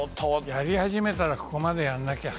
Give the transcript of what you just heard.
やり始めたらここまでやらなきゃ。